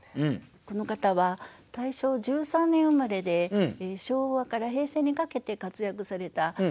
この方は大正１３年生まれで昭和から平成にかけて活躍された俳人さんです。